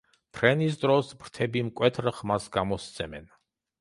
ფრენის დროს ფრთები მკვეთრ ხმას გამოსცემენ.